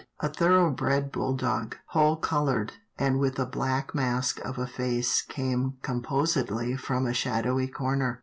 A thoroughbred bulldog, whole coloured, and with a black mask of a face came composedly from a shadowy corner.